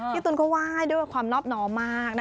พี่ตูนก็ว่ายด้วยกับความนอบหน่อมากนะ